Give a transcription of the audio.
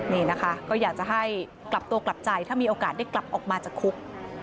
นี่นะคะก็อยากจะให้กลับตัวกลับใจถ้ามีโอกาสได้กลับออกมาจากคุก